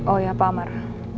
oh ya pak amar